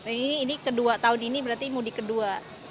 ini kedua tahun ini berarti mudik kedua